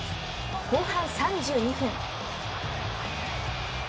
後半３２分。